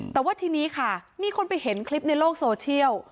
แต่ว่าทีนี้ค่ะมีคนไปเห็นคลิปในโลกโซเชียล